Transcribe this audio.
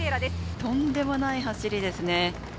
とんでもない走りですね。